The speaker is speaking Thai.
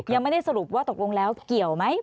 ยังไม่ได้สรุปว่าตกลงแล้วเกี่ยวไหม